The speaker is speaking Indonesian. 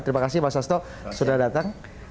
terima kasih mas sasto sudah datang